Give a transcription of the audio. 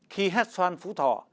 khi hét xoan phú thọ